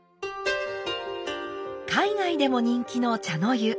海外でも人気の茶の湯。